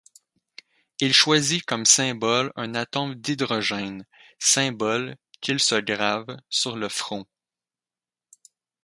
Il choisit comme symbole un atome d'hydrogène, symbole qu'il se grave sur le front.